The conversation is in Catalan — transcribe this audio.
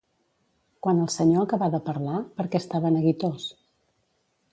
Quan el senyor acabà de parlar, per què estava neguitós?